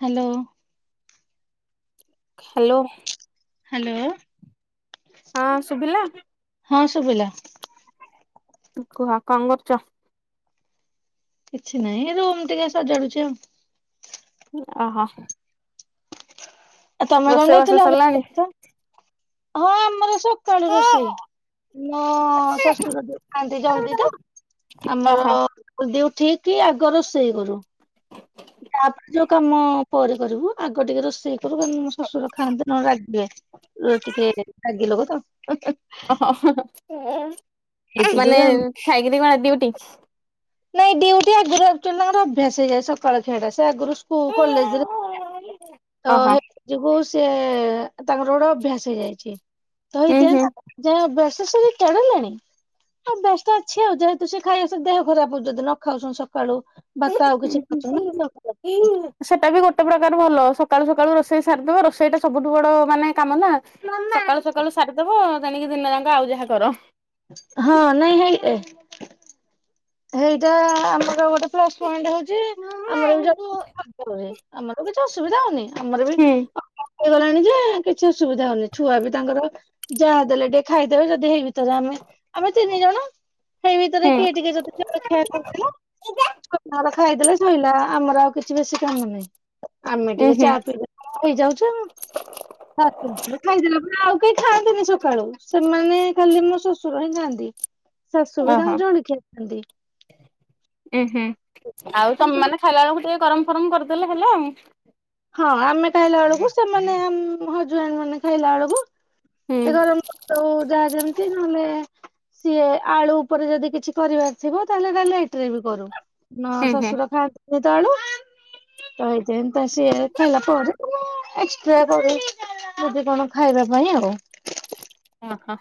Hello. Hello. Hello. ହଁ ଶୁଭିଲା? ହଁ ଶୁଭିଲା। କୁହ କଣ କରୁଛ? କିଛି ନାହିଁ ରୁମ୍ ଟିକେ ସଜାଡୁଛି ଆଉ। ଓ ହୋ। ଆଉ ତମେ କଣ କରୁଥିଲ? ସରିଲାଣି? ହଁ ଆମର ସ ସକାଳୁ ରୋଷେଇ ମୋ ଶଶୁର ଖାନ୍ତି ଜଲଦି ତ ଆମର ଓହୋ ଜଲଦି ଉଠିକି ଆଗ ରୋଷେଇ କରୁ। ତାପରେ ଯୋଉ କାମ ପରେ କରିବୁ ଆଗ ଟିକେ ରୋଷେଇ କରୁ କାରଣ ମୋ ଶଶୁର ଖାଆନ୍ତି ନହେଲେ ରାଗିବେ ଟିକେ ରାଗି ଲୋକ ତ। ଓ ହୋ ଏଇଥି ଯୋଗୁ ମାନେ ଆଉ। ଖାଇକିରି ମା ଡ୍ୟୁଟି। ନାଇଁ ଡିଉଟି ଆଗରୁ ଆକ୍ଚୁଲି ଅଭ୍ୟାସ ହେଇଯାଏ ସକାଳ ଖିଆଟା। ସେ ଆଗରୁ ସ୍କୁଲ କଲେଜରେ ତ ଓହୋ ସେଥି ଯୋଗୁୁ ସେ ତାଙ୍କର ଗୋଟେ ଅଭ୍ୟାସ ହେଇଯାଇଛି। ଉଁ ହୁଁ [unintelligible] ସେ ରିଟାଏଡ୍ ହେଲେଣି। ଆଉ ବ୍ୟସ୍ତ ଅଛି ଆଉ ଯେହେତୁ ସେ ଖାଇବା ସହ ଦେହ ଖରାପ ହଉଛି ଯଦି ନ ଖାଉଛନ୍ତି ସକାଳୁ। ଭାତ ଆଉ କିଛି ଖାଉଛନ୍ତି ନା ଦେହ। ସେଟା ବି ଗୋଟେ ପ୍ରକାର ଭଲ ସ ସକାଳୁ ସକାଳୁ ରୋଷେଇ ସାରିଦବ ରୋଷେଇ ଟା ସବୁଠୁ ବଡ ମାନେ କାମ ନା। ସକାଳୁ ସକାଳୁ ସାରିଦବ ତେଣିକି ଦିନ ଯାଙ୍କ ଆଉ ଯାହା କର। ହଁ ନାଇଁ ହେଇ [inaudible] ହେଇଟା ଆମର ଗୋଟେ ପ୍ଲସ୍ ପଏଣ୍ଟ ହଉଛି ହୁଁ ହୁଁ ଆମର ବି। ଉଁ [unintelligible] ଅସୁବିଧା ହଉନି। ଆମର ବି ହେଇଗଲାଣି ଯେ କିଛି ଅସୁବିଧା ହଉନି ଛୁଆ ବି ତାଙ୍କର ଯାହା ଦେଲେ ଟିକେ ଖାଇଦେବେ ଯଦି ହେଇ ଭିତରେ ଆମେ ଆମେ ତିନି ଜଣ। ସେଇ ଭିତରେ କିଏ ଟିକେ ଯଦି ଳେଖଆ କରିଥିଲା [inaudible] ଖାଇଦେଲେ ଶଇଲା ଆମର ଆଉ କିଛି ବେଶୀ କାମ ନାହିଁ ଆମେ ଟିକେ ଚା ହୁଁ ପିବା ହେଇଯାଉଛୁ ଖାଇଦେଲା ପରେ ଆଉ କେହି ଖାଆନ୍ତିନି ସୁପ୍ ସକାଳୁ ସେମାନେ ଖାଲି ମୋ ଶଶୁ ରହି ଯାନ୍ତି ଶାଶୁ ବି ତାଙ୍କୁ ଜଳଖିଆ ଅନ୍ତି ଉୁଁ ହୁଁ ଆଉ ତ ମାନେ ଖାଇଲା ବେଳକୁ ଟିକେ ଗରମ ଗରମ କରିଦେଲେ ହେଲା ଉ ହଁ ଆମେ ଖାଇଲା ବେଳକୁ ସେମାନେ ଆମ ହଜବେଣ୍ଟ ମାନେ ଖାଇଲା ବେଳକୁ ହୁଁ ସେ ଗରମ କରତେ ହଉ ଯାହା ଯେମିତି ନହେଲେ ସିଏ ଆଳୁ ଉପରେ ଯଦି କିଛି କରିବାର ଥିବ ତାହେଲେ ଏଟା ଲେଟରେ ବି କରୁ ନା ହୁଁ ହୁଁ ଶ୍ୱଶୁର ଖାଆନ୍ତ ତାଳୁ ଆଇତ ଏନ୍ତ ସିଏ ଖାଇଲା ପରେ ଏକ୍ସଟ୍ରା କରୁ ଯଦି କଣ ଖାଇବା ପାଇଁ ଆଉ ହଁ ହଁ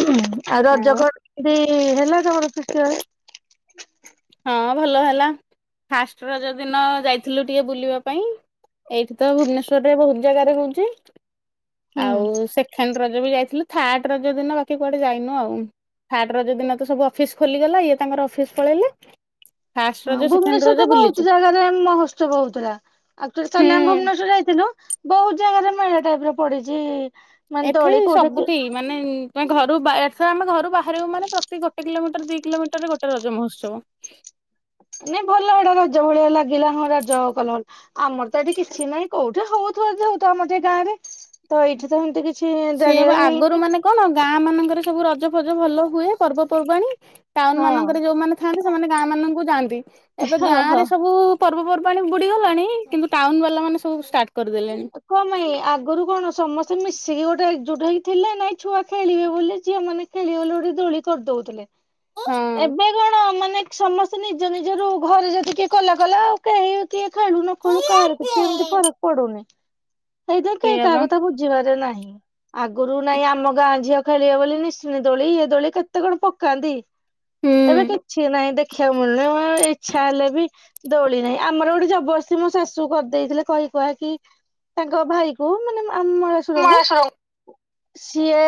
ହୁଁ ଆଉ ରଜ କଣ ତି ଏ ହେଲା ତମର ହଁ ଭଲ ହେଲା ଫାଷ୍ଟ ରଜ ଦିନ ଯାଇଥିଲୁ ଟିକେ ବୁଲିବା ପାଇଁ ଏଇଠି ତ ଭୁବନେଶ୍ଵରରେ ବହୁତ ଜାଗାରେ ହଉଚି ହୁଁ ଆଉ ସେଖେଣ୍ଡ ରଜ ବି ଯାଇଥିଲୁ ଥାର୍ଡ ରଜ ଦିନ ବାକି କୁଆଡେ ଯାଇନୁ ଆଉ ଥାର୍ଡ ରଜ ଦିନ ତ ସବୁ ଅଫିସ ଖୋଲିଗଲା ଇଏ ତାଙ୍କର ଅଫିସ ପଳେଇଲେ ଫାଷ୍ଟ ହଁ ରଜ ସେକେଣ୍ଡ ଭୁବନେଶ୍ୱର ରଜ ତ ବୁଲିଛୁ ବହୁତ ଜାଗାରେ ମହୋତ୍ସବ ହଉଥିଲା ଆକ୍ଚୁଆଲି ହୁଁ। ଆମେ ଭୁବନେଶ୍୍ୱର ଯାଇଥିଲୁ ବହୁତ ଜାଗାରେ ମେଳା ଟାଇପ ର ପଡିଛି ମାନେ ଏଠି ଦୋଳି କୋଉଠି କି ସବୁଠି ମାନେ ଘରୁ ଏଥର ଆମେ ଘରୁ ବାହାରିବ ମାନେ ପ୍ରତି ଗୋଟେ କିଲୋମିଟର ଦି କିଲୋମିଟର ରେ ଗୋଟେ ରଜ ମହୋତ୍ସବ ନାଇଁ ଭଲ ଏଇଟା ରଜ ଭଳିଆ ଲାଗିଲା ହଁ ରଜ କଲ ଆମର ତ ଏଇଠି କିଛି ନାହିଁ କୋଉଠି ହଉଥିବ ଯଦି ହଉଥିବ ଆମର ତ ଗାଁରେ ତ ଏଇଠି ତ ଏମତି କିଛି ସେଇଆବା ଜାଣିବାର ଆଗରୁ ହେଇନି ମାନେ କଣ ଗାଁ ମାନଙ୍କରେ ସବୁ ରଜ- ରଜ ଫଜ ଭଲ ହୁଏ ପର୍ବପର୍ବାଣୀ ଟାଉନ ହଁ। ମାନଙ୍କରେ ଯୋଉ ମାନେ ଥାଆନ୍ତି ସେମାନେ ଗାଁ ମାନଙ୍କୁ ଯାଆନ୍ତି। ଏବେ ହଁ ଗାଁ ହଁ। ରେ ସବୁ ପର୍ବପର୍ବାଣି ବୁଡିଗଲାଣି କିନ୍ତୁ ଟାଉନ ବାଲା ମାନେ ସବୁ ଷ୍ଟାର୍ଟ କରିଦେଲେଣି। କଣ ପାଇଁ ଆଗରୁ କଣ ସମସ୍ତେ ମିଶିକି ଗୋଟେ ଏକଜୁଟ ହେଇକି ଥିଲେ ନାଇଁ ଛୁଆ ଖେଳିବେ ବୋଲି ଝିଅ ମାନେ ଖେଳିବେ ବୋଲି ଗୋଟେ ଦୋଳି କରିଦୋଉଥିଲେ। ହଁ ଏବେ କଣ ମାନେ ଦେଖ୍ ସମସ୍ତେ ନିଜ ନିଜ ରୁ ଘରେ ଯଦି କିଏ କଲା କଲା ଆଉ କେହି କିଏ ଖେଳୁ ନ ଖେଳୁ କାହାରିକୁ କି ଏମିତି ଫରକ ପଡୁନି। ଏଇଠି କେହି ସେଇଆ କାହା ବା କଥା ବୁଝିପାରେ ନାହିଁ। ଆଗରୁ ନାଇଁ ଆମ ଗାଁ ଝିଅ ଖେଳିବେ ବୋଲି ନିଶୁଣି ଦୋଳି ଇଏ ଦୋଳି କେତେ କଣ ପକାନ୍ତି। ଏବେ ହୁଁ। କିଛି ନାଇଁ ଦେଖିବାକୁ ମିଳୁନାହିଁ ଆଁ ଏଇ। ଇଚ୍ଛା ହେଲେ ବି ଦୋଳି ନାହିଁ ଆମର ଗୋଟେ ଜବରସ୍ତି ମୋ ଶାଶୁକୁ କରିଦେଇଥିଲେ କହି କୁହାକି ତାଙ୍କ ଭାଇଙ୍କୁ ମାନେ ମଳାଶ୍ୱରଙ୍କୁ। ସିଏ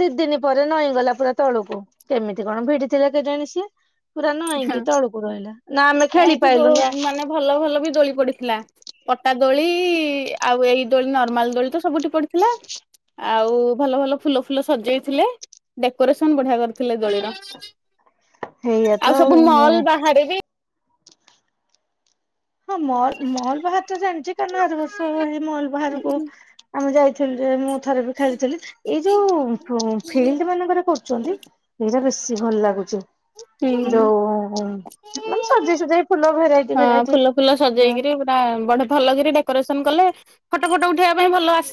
ଦି ଦିନ ପରେ ନଈଁଗଲା ପୁରା ତଳୁକୁ କେମିତି କଣ ଭିଡି ଥିଲେ କେଜାଣି ସିଏ। ପୁରା ହଁ ନଇଁକି ତଳକୁ ରହିଲା ଆମେ ନା ଖେଳି ଏଠି ପାଇଲୁନି ବହୁତ ମାନେ ଭଲ ଭଲ ବି ଦୋଳି ପଡିଥିଲା ପଟା ଦୋଳି ଆଉ ଏଇ ଦୋଳି ନର୍ମାଲ ଦୋଳି ତ ସବୁଠି ପଡିଥିଲା ଆଉ ଭଲ ଭଲ ଫୁଲ ଫୁଲ ସଜେଇଥିଲେ ଡେକୋରେସନ ବଢିଆ କରି ଥିଲେ ଦୋଳିର। ହେଇଆ ତ ଆଉ ସବୁ ମୁଁ ମଲ୍ ବାହାରେ ବି ହଁ ମଲ୍ ମଲ୍ ବାହାରେ ତ ଜାଣିଛି କାରଣ ଆର ବର୍ଷ ମଲ୍ ବାହାରକୁ ଆମେ ଯାଇ ଥିଲୁ ଯେ ମୁଁ ଥରେ ବି ଖେଳିଥିଲି ଏଇ ଯୋଉ ଫିଲ୍ଡ ମାନଙ୍କରେ କରୁଛନ୍ତି ସେଇଟା ବେ ବେଶୀ ଭଲ ଲାଗୁଛି। ହୁଁ। ରୋହୋ ମାନେ ସଜେଇ ସୁଜାକି ଫୁଲ ଭେରାଇଟି ହଁ ଭେରାଇଟି ଫୁଲ ଫୁଲ ଯା ସଜେଇକରି ପୁରା ବଡ଼ ଭଲ କରି ଡେକୋରେସନ କଲେ ଫଟୋ ଫଟୋ ଉଠେଇବା ପାଇଁ ଭଲ ଆସି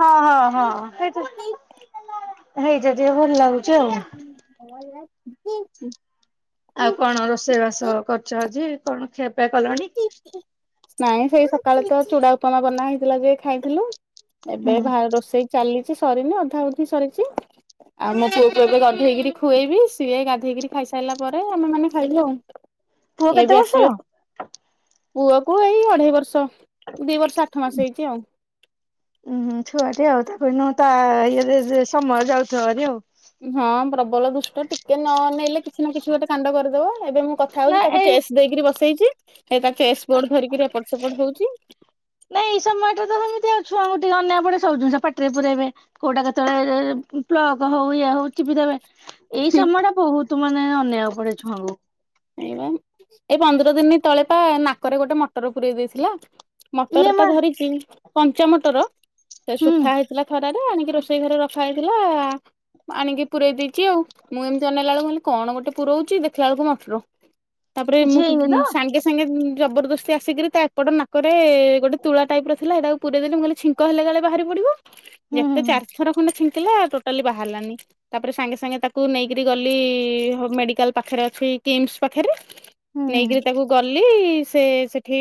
ହଁ ହଁ ହଁ [unintelligible] ଯେଇ ଟା ଯେ ଭଲ ଲାଗୁ [unintelligible] [unintelligible] ଆଉ କଣ ରୋଷେଇ ବାସ କରୁଛ ଆଜି? କଣ ଖିଆ ପିଆ କଲଣି? ନାଇଁ ସେଇ ସକାଳ ତ ଚୁଡା ଉପମା ବନା ହେଇଥିଲା ଯେ ଖାଇଥିଲୁ ଏବେ ହୁଁ ଭାରେ ରୋଷେଇ ଚାଲି ସରିନି ଅଧା ଅଧି ସରିଛି ଆଉ ମୋ ପୁଅକୁୁ ଏବେ ଗାଧେଇକିରି ଖୁଏଇବି ସିଏ ଗାଧେଇକରି ଖାଇସାରିଲା ପରେ ଆମେ ମାନେ ଖାଇବୁ ଆଉ। ପୁଅ କେତେ ବର୍ଷର? ପୁଅ କୁ ଏଇ ଅଢେଇ ବର୍ଷ। ଦି ବର୍ଷ ଆଠମାସ ହେଇଛି ଆଉ ଉୁଁ [unintelligible] ତା ଇଏରେ ଯେ ସମୟ ଯାଉ ଚରେ ଆଉ ହଁ ପ୍ରବଳ ଦୁଷ୍ଟ ଟିକେ ନ ଅନେଇଲେ କିଛି ନା କିଛି ଗୋଟେ କାଣ୍ଡ କରିଦବ ଏବେ ମୁଁ କଥା ନା ହଉଛି ତାକୁ ଏଇ ଚେସ୍ ଦେଇକିରି ବସେଇଛି ହେ ତା ଚେସ୍ ବୋର୍ଡ ଧରିକି ଏପଟ ସେପଟ ହଉଛି। ନାଇଁ ଏଇ ସମୟଟା ତ ସେମିତି ଆଉ ଛୁଆଙ୍କୁ ଟିକେ ଅନ୍ୟ ପଡେ ସବୁ ଜିନିଷଟା ପାଟିରେ ପୁରେଇବେ କୋଉଟା କେତେବେଳେ ପ୍ଲକ ହଉ ଇଏ ହଉ ଚିପି ଦେବେ। ଏଇ ହୁଁ ସମୟ ଟା ବହୁତ ତୁ ମାନେ ଅନ୍ୟାୟ ଉପରେ ଛୁଆଁଙ୍କୁ ଏଇବା ଏଇ ପନ୍ଦର ଦିନ ତଳେପା ନାକରେ ଗୋଟେ ମଟର ପୁରେଇ ଦେଇଥିଲା। ଇଏ ମଟର ଟା ମା ଧରିଛି କଞ୍ଚା ମଟର ସେ ହୁଁ ଶୁଖା ହେଇଥିଲା ଖରାରେ ଆଣିକି ରୋଷେଇ ଘରେ ରଖାହେଇଥିଲା। ଥିଲା ଆଣିକି ପୁରେଇ ଦେଇଛି ଆଉ ମୁଁ ଏମିତି ଅନେଇଲା ବେଳକୁ କହିଲି କଣ ଗୋଟେ ପୁରଉଛି ଦେଖିଲା ବଳକୁ ମଟର। ତାପରେ କିଛି ମୁଁ ହେଇନି ତ ସାଙ୍ଗେ ସାଙ୍ଗେ ଉଁ ଜବରଦସ୍ତି ଆସିକରି ତା ଏପଟ ନାକରେ ଗୋଟେ ତୁଳା ଟାଇପ ର ଥିଲା ହେଟାକୁ ପୁରେଇଦେଲି ମୁଁ କହିଲି ଛିଙ୍କ ହେଲେ କାଳେ ବାହାରି ପଡିବ ହୁଁ ଯେତେ ହୁଁ ହୁଁ ଚାର ଥର ଖଣ୍ଡ ଛିଙ୍କ ଥିଲା ଟୋଟାଲି ବାହାରିଲାନି ତାପରେ ସାଙ୍ଗେ ସାଙ୍ଗେ ତାକୁ ନେଇକରି ଗଲି ମେଡିକାଲ ପାଖରେ ଅଛି। କୀମସ୍ ପାଖରେ ହୁଁ ହୁଁ। ନେଇକିରି ତାକୁ ଗଲେ ଲି ସେ-ସେଠି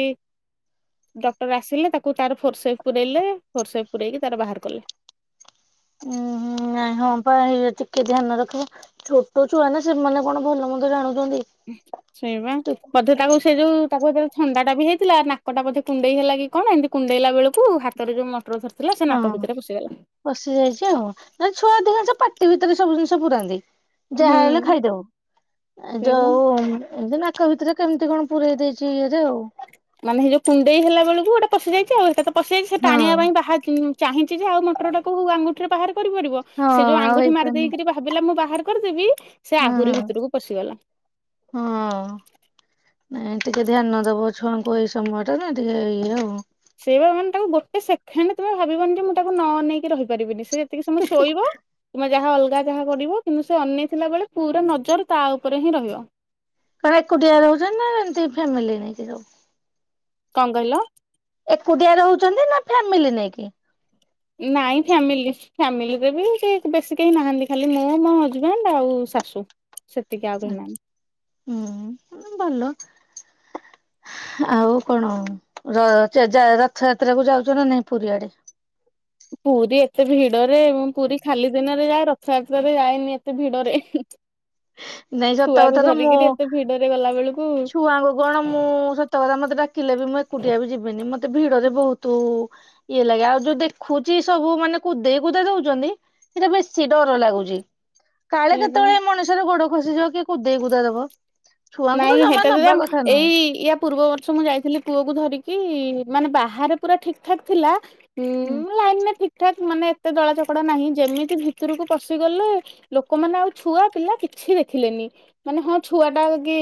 ଡକ୍ଟର ଆସିଲେ ତାକୁ ତାର ଫୋର୍ସେପକୁ ନେଲେ ଫୋର୍ସେପକୁ ନେଇକି ତାର ବାହାର କଲେ। ଉଁଁ ନାଇଁ ହଁ ପା ଟିକେ ଧ୍ୟାନ ରଖିବ ଛୋଟ ଛୁଆ ନା ସେମାନେ କଣ ଭଲ ମନ୍ଦ ଜାଣୁ ଶୋଇବା ବୋଧେ ତାକୁ ସେ ଯେଉ ତାକୁ ଭରେ ଥଣ୍ଡାଟା ବି ହେଇଥିଲା ନାକଟା ମଧ୍ୟ କୁଣ୍ଡେଇ ହେଲା କି କଣ ଏମିତି କୁଣ୍ଡେଇଲା ବେଳକୁ ହାତରେ ଯେଉଁ ମଟର ଧର ହଁ ପସି ଯାଇଛି ଆଉ ନାଇଁ ଛୁଆ ଅଧିକାଂଶ ପା ଟି ଭିତରେ ସବୁ ଜିନିଷ ପୁରାନ୍ତି। ଯାହା ହୁଁ ହେଲେ ଖାଇଦଉ ସେଇବା ଯଉ ଉଁ ଏତି ନା କା ଭିତ ରେ କେମିତି କଣ ପୁରରେଇ ଦେଇଛି ଇଏ ମାନେ ହେ ଯୋଉ କୁଣ୍ଡେଇ ହେଲା ବେଳକୁ ଗୋଟେ ପଶିଯାଇଛି ଆଉ ହେଟା ତ ପଶି ଯାଇଛି ସେ ହଁ ଟାଣିବା ପାଇଁ ବାହାଚି ଚାହିଁଛି ଯେ ଆଉ ମଟରଟାକୁ ହଉ ଆଙ୍ଗୁଠି ବାହାର କରିପାରିବ ହଁ ସେ ଯୋଉ ଆଉ ଆଙ୍ଗୁଠି ମାରି ହେଇପାରୁନି ଦେଇକି ଭାବିଲା ମୁଁ ବାହାର କରିଦେବି ସେ ହଁ ଆହୁରି ହଁ। ଭିତରକୁ ପଶିଗଲା ନଁ ଟିକେ ଧ୍ୟାନ ଦବ ଛୁଆଙ୍କୁ ଏଇ ସମୟ ଟା ନା ଟିକେ ଇଏ ଆଉ ସେଆ ମାନେ ତାକୁ ଗୋଟେ ସେକେଣ୍ଡ ତମେ ଭାବିବନି ଯେ ମୁଁ ତାକୁ ନ ନେଇକି ରହିପାରିବିନି ସେ ସେତିକେ ସମୟ ଶୋଇବ କିମ୍ବା ଯାହା ଅଲଗା ଅଗା ଯାହା କରିବ କିନ୍ତୁ ସେ ଅନେଇଥିଲା ବେଳେ ପୁରା ନଜର ତା ଉପରେ ହିଁ ରହିବ କଣ ଏକୁଟିଆ ରହୁଛନ୍ତି ନା ଏମତି ଫ୍ୟାମିଲି ନେଇକି ସବୁ କାଣଙ୍ଗହିଲ ଏକୁଟିଆ ରହୁଛନ୍ତି ନା ଫାମିଲି ନେଇକି ନାଇଁ ଫାମିଲି ଫ୍ୟାମିଲିରେ ବି ବେଶୀ କେହି ନାହାନ୍ତି ଖାଲି ମୁଁ ମୋ ହଜବେଣ୍ଡ ଆଉ ଶାଶୁ ସେତିକି ଆଉ କେହି ନାହାନ୍ତି ହୁଁ ଭଲ ଆଉ କଣ ରଥଯାତ୍ରା କୁ ଯାଉଛ ନା ନାଇଁ ପୁରୀଆଡେ ପୁରୀ ଏତେ ଭିଡରେ ମୁଁ ପୁରୀ ଖାଲି ଦିନରେ ଯାଏ ରଥଯାତ୍ରାାରେରେ ଯାଏନି ଏତେ ଭିଡରେ ନାଇଁ ସତକଥା ଛୁଆକୁ ତ ମୁଁ ଧରିକିରି ଏତେ ଭିଡରେ ଗଲା ବେଳକୁ ଛୁଆଙ୍କୁ କଣ ମୁଁ ସତ କଥା ମେ ମତେ ଡାକିଲେ ବି ମୁଁ ଏକୁଟିଆ ବି ଯିବିନି ମତେ ଭିଡରେ ବହୁତ ଇଏ ଲାଗେ ଆଉ ଯୋଉ ଦେଖୁଛି ସବୁ ମାନେ କୁଦେଇ କୁଦେଇ ଦଉଛନ୍ତି ସେଇଟା ବେଶୀ ଡର ଲାଗୁଛି କାଳେ ସେଇବା କେତେବେଳେ ମଣିଷର ଗୋଡ ଖସିଯିବ କି କୁଦେଇ କୁଦା ଦବ ଛୁଆଙ୍କୁ ତ ନାଇଁ ଜମା ହେଟା ତଦ ନବା କଥା ନୁହେଁ ଏଇ ୟା ପୂର୍ବର୍ଷ ମୁଁ ଯାଇଥିଲି ପୁଅକୁ ଧରିକି। କି ମାନେ ବାହାରେ ପୁରା ଠିକ ଠାକ୍ ଥିଲା ହୁଁ ଲାଇନ ମ ଠିକ ଠାକ ମାନେ ଏତେ ଦଳା ଚକଡା ନାହିଁ ଯେମିତି ଭିତରକୁ ପଶିଗଲେ ଲୋକମାନେ ଆଉ ଛୁଆ ପିଲା କିଛି ଦେଖିଲେନି ମାନେ ହଁ ଛୁଆ ଟା କି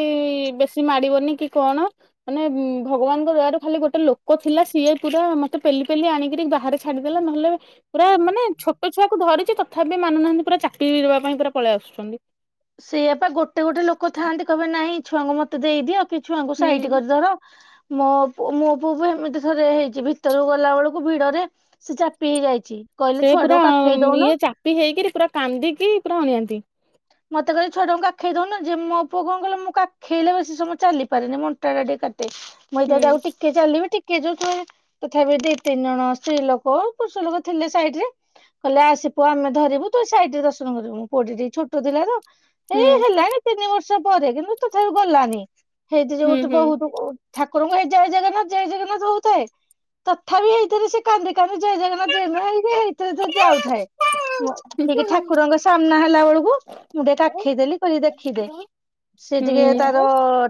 ବେଶୀ ମାଡିବନି କି କଣ ମାନେ ଭଗବାନଙ୍କ ଦୟାରୁ ଖାଲି ଗୋଟେ ଲୋକ ଥିଲା ସିଏ ପୁରା ମତେ ପେଲି ପେଲି ଆଣିକିରି ବାହାରେ ଛାଡିଦେଲା ନହେଲେ ପୁରା ମାନେ ଛୋଟ ଛୁଆକୁ ଧରିଛି ତଥାପି ମାନୁନାହାନ୍ତି ପୁରା ଚାକିରି ପାଇଁ ପୁରା ପଳେଇ ଆସୁଛନ୍ତି ସେଇଆପ ଗୋଟେ ଗୋଟେ ଲୋକ ଥାଆନ୍ତି କହିବେ ନାହିଁ ଛୁଆଙ୍କୁ ମତେ ଦେଇଦିଅଉ କି ଛୁଆଙ୍କୁ ହୁଁ। ସାଇଟି କରିଦର ମୋ ମୋ ପୁଅ ବି ଏମିତି ଥରେ ହେଇଛି ଭିତରକୁ ଗଲା ବେଳକୁ ଭିଡ ରେ ସେ ଚାପି ହେଇଯାଇଛି କହିଲେ ସେ ପୁରା ଛୁଆଟାକୁ କାଖେଇ ଦଉନ ଇଏ ଚାପି ହେଇକରି ପୁରା କାନ୍ଦିକି ପୁରା ହଣିଆନ୍ତି ମତେ କହିଲ ଛୁଆାଙ୍କୁ କଖେଇ ଦଉୁ ନା ଯେ ମୋ ପୁଅ କଣ କହଲେ ମୁଁ କାେଇଲେ ବେଶୀ ସମୟ ଚାଲି ପାରେନି ମଣ୍ା ଟିକୋ ହୁଁ ମୁଇଁଦ ତା ଆଉ ଟିକେ ଚାଲିବି ଟିକେ ଯୋଉ ତୁେ ତଥାପି ଦି ତିନି ଜଣ ସ୍ତ୍ରୀ ଲୋକ ପୁରୁଷ ଲୋକ ଥିଲେ ସାଇଡ ରେ କହିଲେ ଆସିବୁ ଆମେ ଧରିବୁ ତୁ ସାଇଡରେ ଦର୍ଶନ କରିବୁ ପଛ ଟଥିଲେ ତ ହୁଁ ଏଇ ହେଲାଣି ତିନି ମ ବର୍ଷ ପରେ କିନ୍ତୁ ତଥାରୁ ଗଲାନି ହେଇଥି ଯ ହୁଁ ଗୋଟେ ହୁଁ। ବହୁତ ଠାକୁରଙ୍କ ଏଇ ଜୟ ଜଗନ୍ନାଥ ଜୟ ଜଗନ୍ନାଥ ହଉଥାଏ ତଥାପି ହେଇଥିରେ ସେ କାନ୍ଦି କାନ୍ଦି ଜୟ ଜଗନ୍ନାଥ ଜଥଇ ଯାଉଥାଏ ମ ଠିକ୍ ଠାକୁରଙ୍କ ସାମ୍ନା ହେଲା ବେଳକୁ ମୁଁ ଟେଏ କାଖେଇଦେଲି କଇଲି ଦେଖିଦେ ସେ ଟିକେ ତାର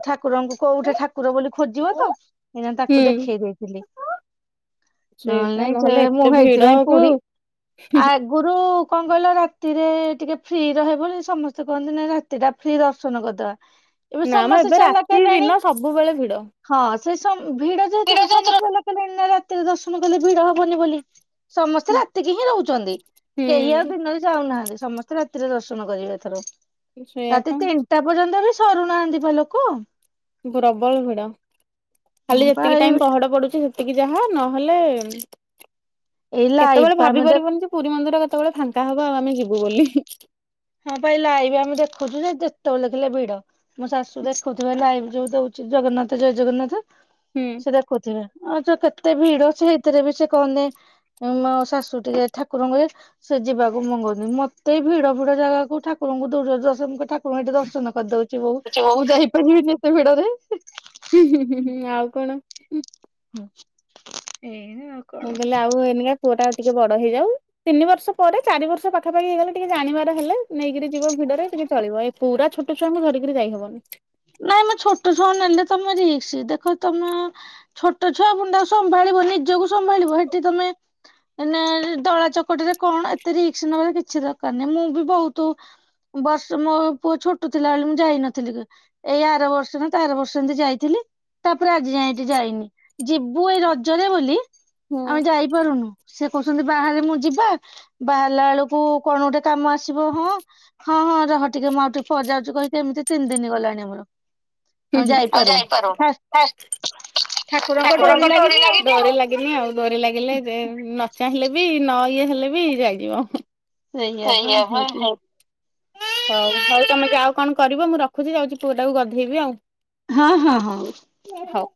ଠାକୁରଙ୍କୁ କୋଉଠି ଠାକୁର ବୋଲି ହୁଁ ଖୋଜିବ ହୁଁ। ତ [unintelligible] ତାକୁ ଦେଖେଇ ଦେଇଥିଲି ନହେଲ୍ ସେଇଟା ନାଇଁ ସେ ନହେଲେ ମୁଁ ଏତେ ହେଇଥିପାଇଁ ଭିଡକୁ ପୁରୀ ଆଗୁରୁ କଣ କଇଲ ରାତିରେ ଟିକେ ଫ୍ରି ରହେ କୁହନ୍ତି ସମସ୍ତେ କହନ୍ତିନି ରାତି ଟା ଫ୍ରି ଦର୍ଶନ କରିଦବା। ଏବେ ନା ମ ସମସ୍ତେ ଏବେ ଚାଲାକ ରାତି ହେଲେଣି ଦିନ ସବୁବେଳେ ଭିଡ। ହଁ ସେ ସମ ଭିଡଯେ ଏଥିରୁ ସମସ୍ତେ [unintelligible] ରାତିରେ ଦର୍ଶନ କଲେ ଭିଡ ହବନି ବୋଲି। ସମସ୍ତେ ରାତିକି ହିଁ ରହୁଛନ୍ତି କେହି ଆଉ ହୁଁ ଦିନରେ ଯାଉନାହାନ୍ତି। ସମସ୍ତେ ରାତିରେ ଦର୍ଶ ତୁନ କରିବେ ଏଥର। ସେଇଆ ରାତି ପା ତିନିଟା ପର୍ଯ୍ୟନ୍ତ ବି ଥରୁନାହାନ୍ତି ପା ଲୋକ ପ୍ରବଳ ଭିଡ ହଁ ଖାଲି ପା ଏତିକି ଏଇ ଟାଇମ୍ ପହଡ ପଡୁଛି ସେତି ଟିକେ ଯାହା ନହେଲେ ଏଇ ଲାଇଭ୍ କେତେବେଳେ ପା ଭାବି ଆମେ ଦେ ପାରିବୁନି ଯେ ପୁରୀ ମନ୍ଦିର କେତେବେଳେ ଫାଙ୍କା ହବ ଆଉ ଆମେ ଯିବୁ ବୋଲି। ହଁ ପା ଏଇ ଲାଇଭ୍ ଆମେ ଦେଖୁଛୁ ଯେ ଯେତେବେଳେ ଲେଖିଲେ ଭିଡ। ମୋ ଶାଶୁ ଦେଖୁଥିଲେ ଲାଇଭ ଯୋଉ ଦଉଛି ଜଗନ୍ନାଥ ଜୟ ଜଗନ୍ନାଥ ସେ ଦେଖୁଥିବେ। ଆଚ କେତେ ଭିଡ ସେଇଥିରେ ବି ସେ କହନି ମୋ ଶାଶୁଟିକେ ଠାକୁରଙ୍କ ଏ ସେ ଯିବାକୁ ମଙ୍ଗନ୍ତିନି ମତେ ବି ଭିଡ ଦୂର ଜାଗା କୁ ଠାକରଙ୍କୁ ଦୂରରୁ ଦର୍ଶ କ ଠାକୁରଙ୍କୁ ଏଠି ଦର୍ଶନ କରିଦଉ ଥି ବୋହୁ ହୁଁ। ମୁଁ ଯାହୀ ପାରିବିନି। ଏତେ ଭିଡ଼ରେ ସେ ହୁଁ ହୁଁ ହୁଁ ହୁଁ ଆଉ କଣ ହୁଁ ହୁଁ ଏ ମୁଁ ବେଲେ ଆଉ ଏନିକା ପୁଅଟା ଟିକେ ବଡ ହେଇଯାଉ ତିନି ବର୍ଷ ପରେ ଚାରି ବର୍ଷ ପାଖାପାଖି ହେଇଗଲେ ଟିକେ ଜାଣିବାର ହେଲେ ନେଇକିରି ଯିବ ଭିଡରେ ଟିକେ ଚଳିବ। ଏ ପୁରା ଛୋ ଛୋଟୋ ଛୁଆଙ୍କୁ ଧରିକିରି ଯାଇହବନି। ନାଇଁ ମ ଛୋଟ ଛୁଆ ନେଲେ ତମେ ରିକ୍ସ। ଦେଖ ତମେ ଛୋଟ ଛୁଆ ପୁଣି ତାକୁ ସମ୍ଭାଳିବ ନିଜକୁ ସମ୍ଭାଳିବ ହେଠି ତମେ ଏନେ ଦଳା ଚକଟିରେ କଣ ଏତେ ରିକ୍ସ ନେବା କିଛି ଦରକାର ନାହିଁ। ମୁଁ ବି ବହୁତୁ ବର୍ଷ ମୋ ପୁଅ ଛୋଟ ଥିଲାବେଳେ ମୁଁ ଯାଇନଥିଲି ଏଇ ଆର ବର୍ଷ ନା ତା ଆର ବର୍ଷ ଏନ୍ତି ଯାଇଥିଲି ତାପରେ ଆଜି ଯାଇ ଏଠି ଯାଇନି ଯିବୁ ଏଇ ରଜରେ ବୋଲି ହୁଁ ଆମେ ଯାଇପାରୁନୁ ସେ କହୁସନ୍ତି ବାହାରେ ମୁଁ ଯିବା ବାହାରିଲା ବେଳକୁ କଣ ଗୋଟେ କାମ ଆଶ୍ ଆସିବ ହଁ ହଁ ହଁ ରହ ଟିକେ ମୁଁ ଆଉ ଟିକେ ପରେ ଯାଉଛି କହିକି ଏମି଼ତି ତିନି ଦିନ ଗଲାଣି ଆମର। ହ [inaudible] ହଁ ଠାକୁରଙ୍କ ହୁଁ ଡୋରି ଲାଗିନି ଆଉ ଲାଗିନି ଡୋରି ଲାଗିଲେ ଯା ଚାହିଁଲେ ବି ନ ଇଏ ହେଲେ ବି, ଯାଇଯିବ। ସେଇଆ ବା ହେଇଥି [unintelligible] ତମେ ଯାଅ, ଆଉ କଣ କରିବ? ମୁଁ ରଖୁଛି। ଯାଉଛି, ପୁଅଟାକୁ ଗଧେଇବି ଆଉ। ହଁ ହଁ ହଉ। ହଉ।